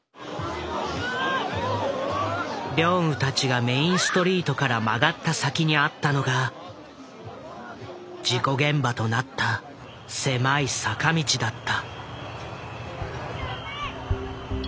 ビョンウたちがメインストリートから曲がった先にあったのが事故現場となった狭い坂道だった。